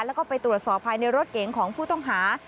แล้วก็ไปตรวจสอบภายในรถเก๋งของผู้ต้องหา